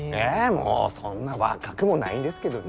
もうそんな若くもないんですけどね。